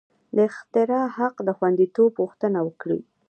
د اختراع حق د خوندیتوب غوښتنه وکړي.